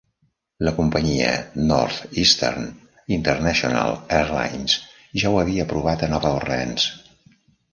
La companyia Northeastern International Airlines ja ho havia provat a Nova Orleans.